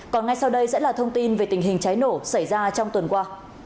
còn ngay sau đây sẽ là thông tin về tình hình cháy nổ xảy ra trong tuần qua